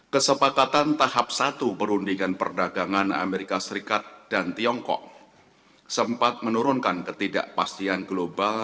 kesepakatan tahap satu perundingan perdagangan amerika serikat dan tiongkok sempat menurunkan ketidakpastian global